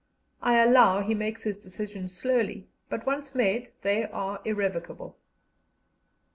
I allow he makes his decisions slowly, but once made they are irrevocable."